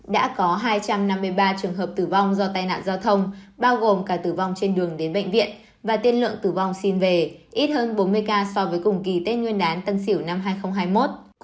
đã có hai trăm năm mươi ba trường hợp tử vong do tai nạn giao thông bao gồm cả tử vong trên đường đến bệnh viện và tiên lượng tử vong xin về ít hơn bốn mươi ca so với cùng kỳ tết nguyên đán tân sỉu năm hai nghìn hai mươi một